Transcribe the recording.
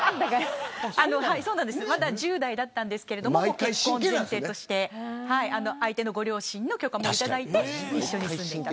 まだ１０代だったんですけど結婚を前提として相手のご両親の許可も頂いて住んでいた。